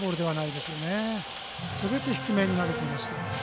すべて低めに投げていました。